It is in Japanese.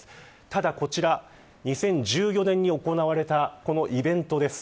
ただ、こちら２０１４年に行われたこのイベントです。